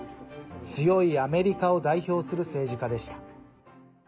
強いアメリカを代表する政治家でした。